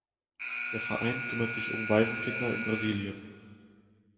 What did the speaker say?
Der Verein kümmert sich um Waisenkinder in Brasilien.